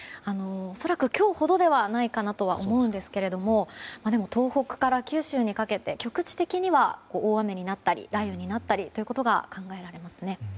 恐らく今日ほどではないかなと思うんですけれども東北から九州にかけて局地的には大雨になったり雷雨になったりということが考えられますね。